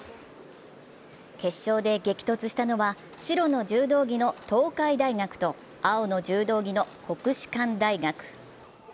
決勝で激突したのは白の柔道着の東海大学と青の柔道着の国士舘大学。